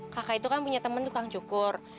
kaka itu kan punya temen tukang cukur